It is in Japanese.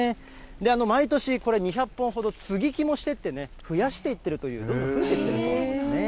毎年これ、２００本ほど接ぎ木もしてってね、増やしていってるっていう、どんどん増えていってるんですね。